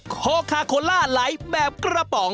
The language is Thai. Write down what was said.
โคคาโคล่าไลท์แบบกระป๋อง